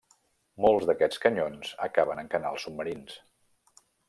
Molts d'aquests canyons acaben en canals submarins.